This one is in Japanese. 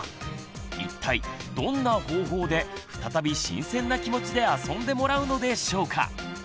一体どんな方法で再び新鮮な気持ちで遊んでもらうのでしょうか？